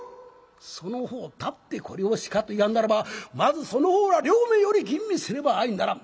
その方たってこれを鹿と言い張んならばまずその方ら両名より吟味せねばあいならん。